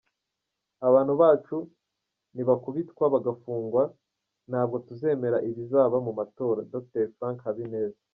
Abantu bacu nibakubitwa, bagafungwa, ntabwo tuzemera ibizaba mu matora” Dr Frank Habineza.